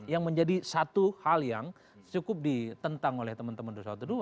yang menjadi satu hal yang cukup ditentang oleh teman teman dua ratus dua belas